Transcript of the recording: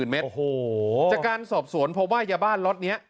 ๒๔๐๐๐๐เมตรโอ้โหจากการสอบสวนเพราะว่ายาบ้านล็อตเนี่ย